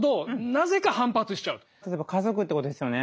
例えば家族ってことですよね。